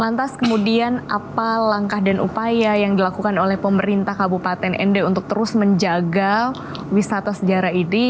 lantas kemudian apa langkah dan upaya yang dilakukan oleh pemerintah kabupaten nd untuk terus menjaga wisata sejarah ini